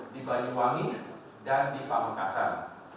di banyuwangi dan di pamekasan